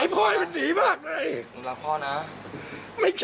พ่อภาษกิลหนูนะ